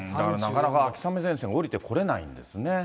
なかなか秋雨前線が下りてこれないんですね。